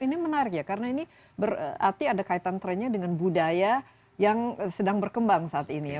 ini menarik ya karena ini berarti ada kaitan trennya dengan budaya yang sedang berkembang saat ini ya